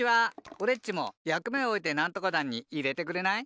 おれっちもやくめをおえてなんとか団にいれてくれない？